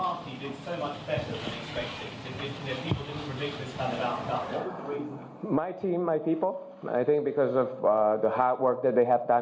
เราไม่ปล่อยหัวหน้าเราพยายามคุยกันกัน